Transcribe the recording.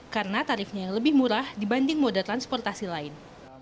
karena tarifnya lebih murah dibanding moda transportasi lain